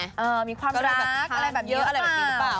มีความรักแบบอะไรแบบเยอะอะไรแบบนี้หรือเปล่า